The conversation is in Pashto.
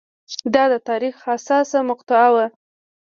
دا د تاریخ حساسه مقطعه وه.